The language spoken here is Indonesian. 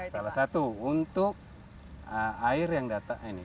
salah satu untuk air yang datang ini